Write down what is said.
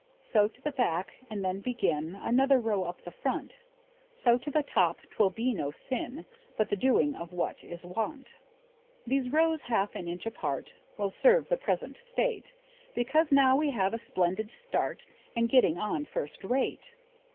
Sew to the back, and then begin Another row up the front; Sew to the top, 'twill be no sin, But the doing of what is wont. These rows, half an inch apart, Will serve the present state, Because now we have a splendid start, And getting on first rate.